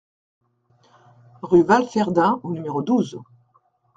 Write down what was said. Rue Walferdin au numéro douze